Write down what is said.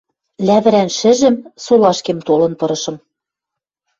Лявӹрӓн шӹжӹм солашкем толын пырышым.